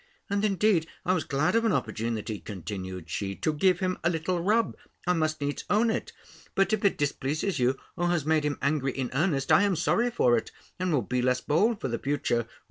And, indeed, I was glad of an opportunity," continued she, "to give him a little rub; I must needs own it: but if it displeases you, or has made him angry in earnest, I am sorry for it, and will be less bold for the future."